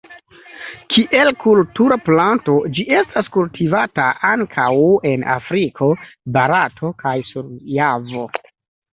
Kiel kultura planto ĝi estas kultivata ankaŭ en Afriko, Barato kaj sur Javo.